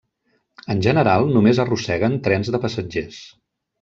En general, només arrosseguen trens de passatgers.